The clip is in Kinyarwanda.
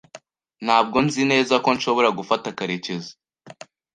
Ntabwo nzi neza ko nshobora gufata Karekezi.